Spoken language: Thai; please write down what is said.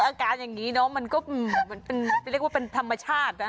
อาการอย่างนี้เนอะมันก็มันเป็นเรียกว่าเป็นธรรมชาตินะ